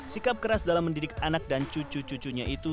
sikap keras dalam mendidik anak dan cucu cucunya itu